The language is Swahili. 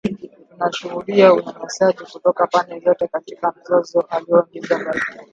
“Tunashuhudia unyanyasaji kutoka pande zote katika mzozo” aliongeza Valentine.